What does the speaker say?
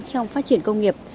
trong phát triển công nghiệp